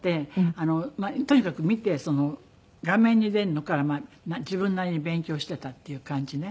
とにかく見て画面に出るのから自分なりに勉強していたっていう感じね。